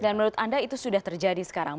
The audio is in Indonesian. dan menurut anda itu sudah terjadi sekarang